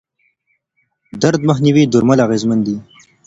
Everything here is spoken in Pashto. درد مخنیوي درمل اغېزمن دي.